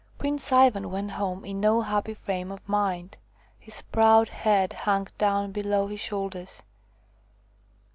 Prince Ivan went home in no happy frame of mind; his proud head hung down below his shoulders.